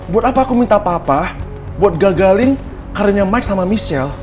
buat apa aku minta papa buat gagalin karirnya mike sama michelle